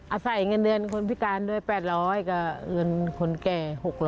อาศัยเงินเดือนคนพิการด้วย๘๐๐กับเงินคนแก่๖๐๐